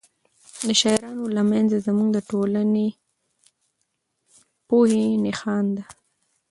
د شاعرانو لمانځنه زموږ د ټولنې د پوهې نښه ده.